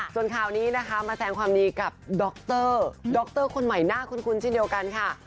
ส่วนข่าวนี้นะคะมาแสงความดีกับดรดรคนใหม่หน้าคุ้นเช่นเดียวกันค่ะ